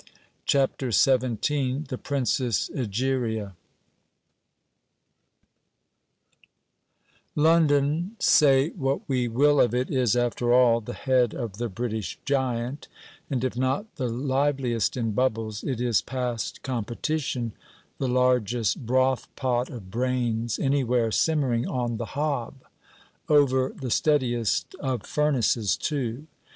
CHAPTER XVII. 'THE PRINCESS EGERIA' London, say what we will of it, is after all the head of the British giant, and if not the liveliest in bubbles, it is past competition the largest broth pot of brains anywhere simmering on the hob: over the steadiest of furnaces too.